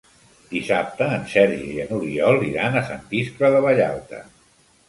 Dissabte en Sergi i n'Oriol iran a Sant Iscle de Vallalta.